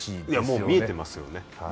もう見えてますよね。